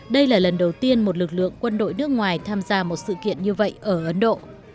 đây là lần đầu tiên một lực lượng quân đội nước ngoài tham gia một sự kiện như vậy ở ấn độ